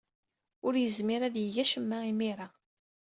Ur yezmir ad yeg acemma imir-a.